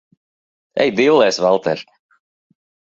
Ej dillēs, Valter!